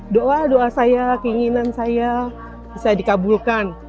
doa doa saya keinginan saya bisa dikabulkan